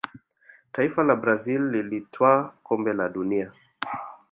taifa la brazil lilitwaa Kombe la dunia